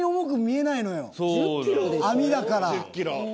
網だから。